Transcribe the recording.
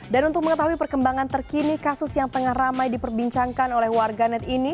dan untuk mengetahui perkembangan terkini kasus yang tengah ramai diperbincangkan oleh warganet ini